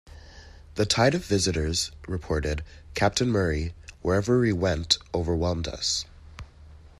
The "tide of visitors," reported Captain Murray, "wherever we went, overwhelmed us.